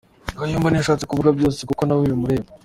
Kayumba ntiyashatse kuvuga byose kuko nawe bimureba.